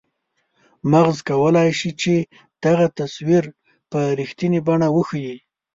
مغز کولای شي چې دغه تصویر په رښتنیې بڼه وښیي.